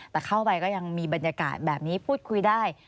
แต่เข้าไปก็ยังมีบรรยากาศแบบนี้พูดคุยได้